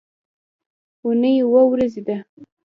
اونۍ اووه ورځې ده